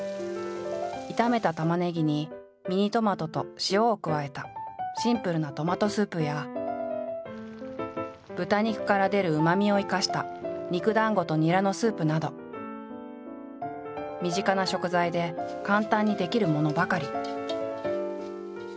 炒めたたまねぎにミニトマトと塩を加えたシンプルなトマトスープや豚肉から出るうまみを生かした肉団子とニラのスープなど身近な食材で簡単に出来るものばかり。